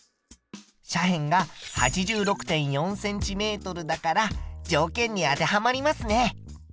斜辺が８６．４ｃｍだから条件に当てはまりますね。